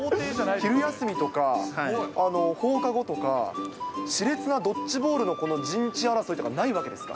昼休みとか、放課後とか、しれつなドッチボールの陣地争いとかないわけですか。